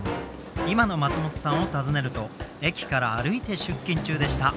今の松本さんを訪ねると駅から歩いて出勤中でした。